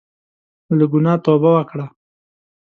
له ګناه توبه وکړه.